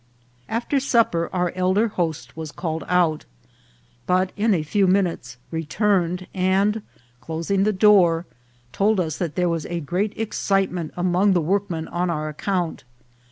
After supper our elder host was called out, but in a few minutes returned, and, closing the door, told us that there was a great excitement among the workmen on our account.